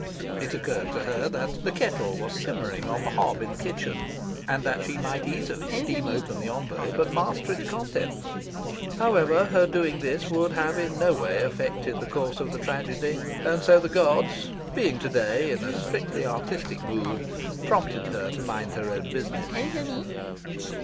It occurred to her that the kettle was simmering on the hob in the kitchen, and that she might easily steam open the envelope and master its contents. However, her doing this would have in no way affected the course of the tragedy. And so the gods (being to day in a strictly artistic mood) prompted her to mind her own business.